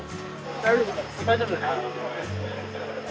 大丈夫です。